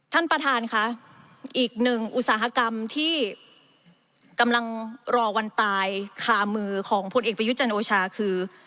ท่านประธานค่ะอีกหนึ่งอุตสาหกรรมที่กำลังรอวันตายคามือของพลเอกประยุทธ์จันโอชาคือ